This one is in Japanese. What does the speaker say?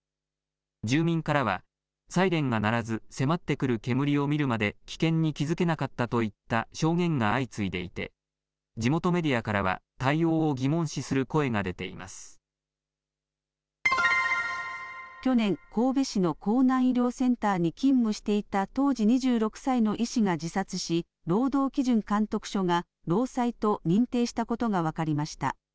住民からは、サイレンが鳴らず迫ってくる煙を見るまで危険に気付けなかったといった証言が相次いでいて、地元メディアからは対応を疑問視する去年、神戸市の甲南医療センターに勤務していた当時２６歳の医師が自殺し、労働基準監督署が労災と認定したことが分かりました。